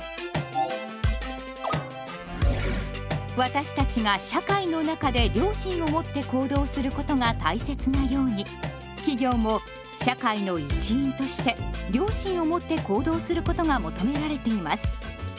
私たちが社会の中で良心を持って行動することが大切なように企業も社会の一員として良心を持って行動することが求められています。